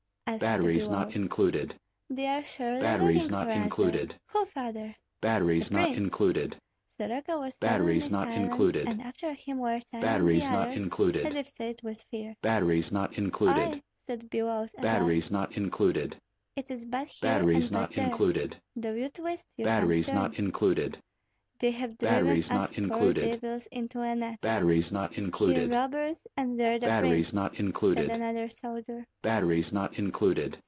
asked Biloüs. "They are surely looking for us there." "Who, father?" "The prince." Soroka was suddenly silent; and after him were silent the others, as if seized with fear. "Oi!" said Biloüs, at last. "It is bad here and bad there; though you twist, you can't turn." "They have driven us poor devils into a net; here robbers, and there the prince," said another soldier.